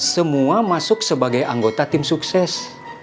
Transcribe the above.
semua masuk sebagai anggota tim sukses